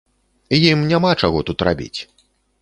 Ім няма чаго тут рабіць.